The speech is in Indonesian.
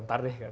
ntar deh gitu